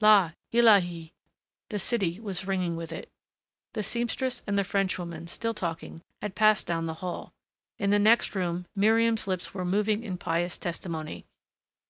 "La illahé " The city was ringing with it. The seamstress and the Frenchwoman, still talking, had passed down the hall. In the next room Miriam's lips were moving in pious testimony.